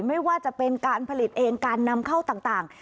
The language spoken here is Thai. ไม่ว่าจะเป็นการผลิตเองการนำเข้าต่าง